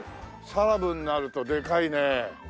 サラブになるとでかいね。